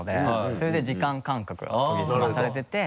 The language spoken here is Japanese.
それで時間感覚研ぎ澄まされてて。